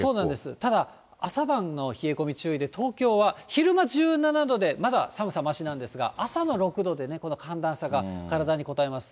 ただ、朝晩の冷え込み注意で、東京は昼間１７度で、まだ寒さましなんですが、朝の６度で、この寒暖差が体にこたえます。